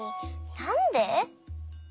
なんで？